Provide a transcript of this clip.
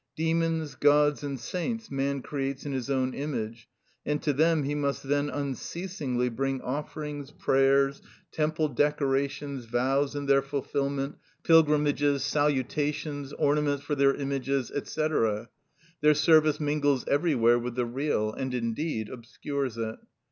Demons, gods, and saints man creates in his own image; and to them he must then unceasingly bring offerings, prayers, temple decorations, vows and their fulfilment, pilgrimages, salutations, ornaments for their images, &c. Their service mingles everywhere with the real, and, indeed, obscures it.